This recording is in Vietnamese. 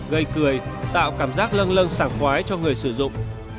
gây cười tạo cảm giác lâng lâng sảng khoái cho người sử dụng